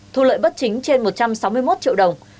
thu lợi bất chính trên một trăm sáu mươi một triệu đồng